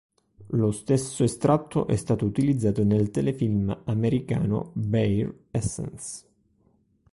Lo stesso estratto è stato utilizzato nel telefilm americano "Bare Essence".